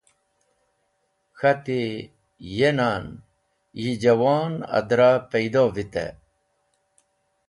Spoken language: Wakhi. K̃hati: Ye nan! Yi juwon adra paydo vitey.